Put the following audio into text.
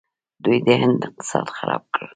دوی د هند اقتصاد خراب کړ.